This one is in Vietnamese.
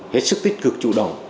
hết sức tích cực chủ động